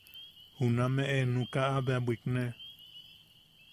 Junameʼe nukaʼa bea bwikne.